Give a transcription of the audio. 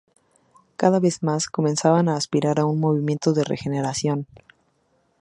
Cada vez más, comenzaban a aspirar a un movimiento de regeneración.